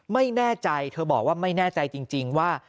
ไม่แน่ใจเธอบอกว่าไม่แน่ใจจริงว่า